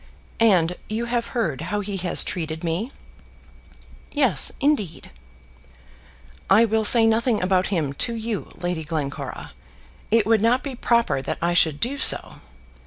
"And you have heard how he has treated me?" "Yes, indeed." "I will say nothing about him to you, Lady Glencora. It would not be proper that I should do so.